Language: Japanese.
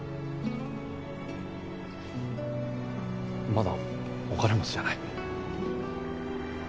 まだお金持ちじゃない。